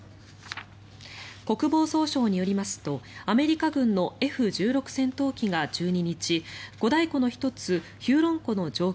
国防総省によりますとアメリカ軍のＦ１６戦闘機が１２日五大湖の１つヒューロン湖の上空